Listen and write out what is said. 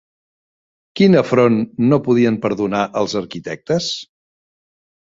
Quin afront no podien perdonar els arquitectes?